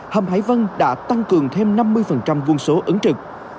hầm hải vân đã tăng cường thêm năm mươi quân số ứng trực